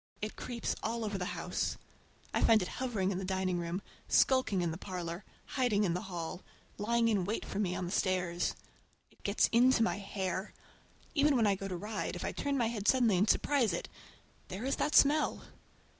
It creeps all over the house. I find it hovering in the dining room, skulking in the parlor, hiding in the hall, lying in wait for me on the stairs. It gets into my hair. Even when I go to ride, if I turn my head suddenly and surprise it—there is that smell!